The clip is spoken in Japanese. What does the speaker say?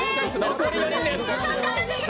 残り４人です。